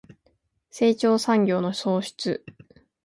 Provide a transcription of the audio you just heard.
成長産業の創出